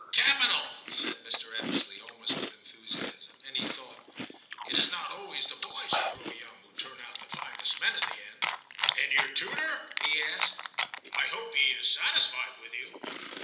* Capital,' said Mr. Ebbesley, almost with enthusiasm ; and he thought, ' It is not always the boys who grow young who turn out the finest men in the end.' 'And your tutor .'^' IX TIM 199 he asked ;* I hope he is satisfied with you.'